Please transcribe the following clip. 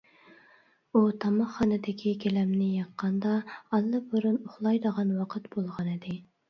ئۇ تاماقخانىدىكى گىلەمنى يىغقاندا، ئاللىبۇرۇن ئۇخلايدىغان ۋاقىت بولغانىدى.